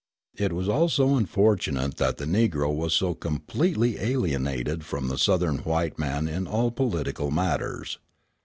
It was also unfortunate that the Negro was so completely alienated from the Southern white man in all political matters.